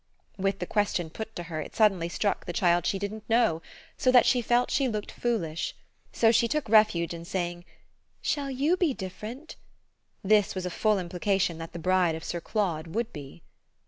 With the question put to her it suddenly struck the child she didn't know, so that she felt she looked foolish. So she took refuge in saying: "Shall YOU be different " This was a full implication that the bride of Sir Claude would be.